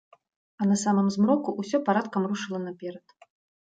А на самым змроку ўсё парадкам рушыла наперад.